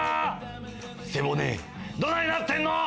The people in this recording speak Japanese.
背骨どないなってんの！